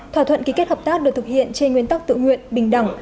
thỏa thuận ký kết hợp tác được thực hiện trên nguyên tắc tự nguyện bình đẳng